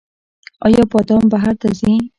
آیا بادام بهر ته ځي؟